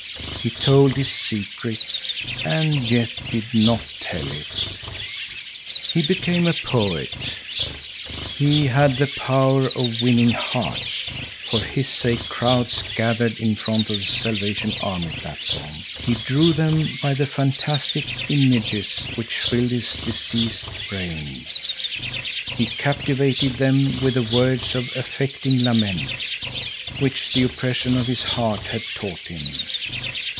He told his secret and yet did not tell it. He became a poet. He had the power of winning hearts. For his sake crowds gathered in front of the Salvation Army platform. He drew them by the fantastic images which filled his diseased brain. He captivated them with the words of affecting lament, which the oppression of his heart had taught him.